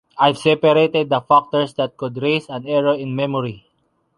I’ve separated the factors that could raise an error in memory.